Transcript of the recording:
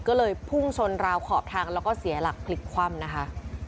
ก็เลยพุ่งชนราวขอบทางแล้วก็เสียหลักพลิกคว่ำนะคะ